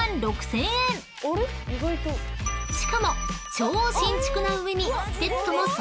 ［しかも超新築な上に］